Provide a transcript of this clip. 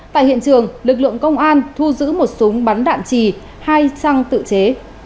tại hiện trường lực lượng công an thu giữ một súng bắn đạn trì hai trang tự chế